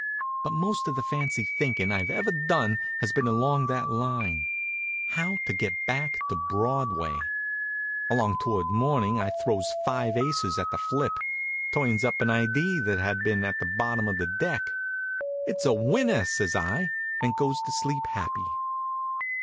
But most of the fancy thinking I've ever done has been along that line how to get back to Broadway. Along toward morning I throws five aces at a flip turns up an idee that had been at the bottom of the deck. "It's a winner!" says I, and goes to sleep happy.